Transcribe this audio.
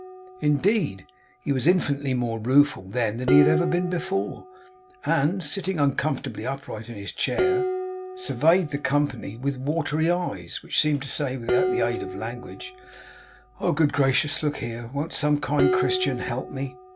Indeed, he was infinitely more rueful then than he had been before; and, sitting uncomfortably upright in his chair, surveyed the company with watery eyes, which seemed to say, without the aid of language, 'Oh, good gracious! look here! Won't some kind Christian help me!